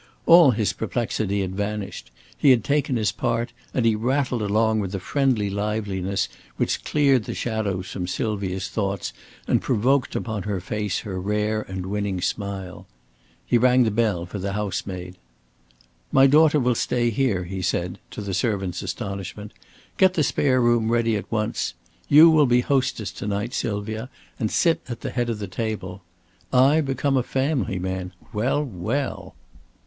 All his perplexity had vanished; he had taken his part; and he rattled along with a friendly liveliness which cleared the shadows from Sylvia's thoughts and provoked upon her face her rare and winning smile. He rang the bell for the housemaid. "My daughter will stay here," he said, to the servant's astonishment. "Get the spare room ready at once. You will be hostess to night, Sylvia, and sit at the head of the table. I become a family man. Well, well!"